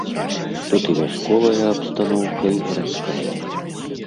Тут і вясковая абстаноўка і гарадская.